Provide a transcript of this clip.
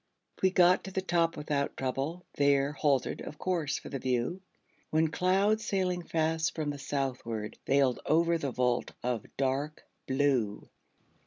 We got to the top without trouble; There halted, of course, for the view; When clouds, sailing fast from the southward, Veiled over the vault of dark blue.